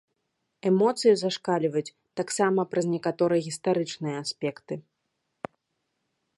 Эмоцыі зашкальваюць таксама праз некаторыя гістарычныя аспекты.